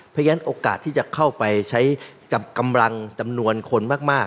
เพราะฉะนั้นโอกาสที่จะเข้าไปใช้กับกำลังจำนวนคนมาก